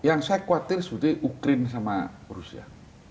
yang saya khawatir sebetulnya ukraine sama rusia